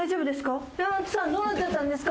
どうなっちゃったんですか？